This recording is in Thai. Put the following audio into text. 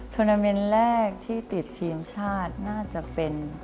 ทรวนามันแรกที่ติดทีมชาติน่าจะเป็น